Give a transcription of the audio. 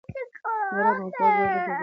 نرم او خوږ وږم په فضا کې خپور شو.